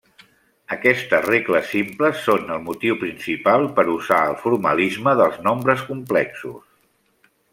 Aquestes regles simples són el motiu principal per usar el formalisme dels nombres complexos.